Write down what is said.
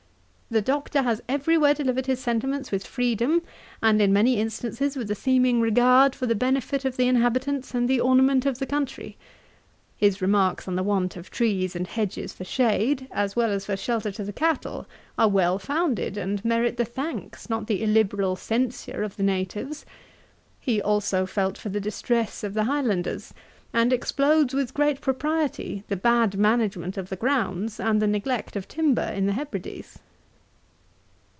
'The Doctor has every where delivered his sentiments with freedom, and in many instances with a seeming regard for the benefit of the inhabitants and the ornament of the country. His remarks on the want of trees and hedges for shade, as well as for shelter to the cattle, are well founded, and merit the thanks, not the illiberal censure of the natives. He also felt for the distresses of the Highlanders, and explodes with great propriety the bad management of the grounds, and the neglect of timber in the Hebrides.'